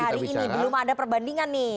hari ini belum ada perbandingan nih